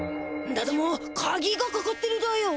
だどもかぎがかかってるだよ。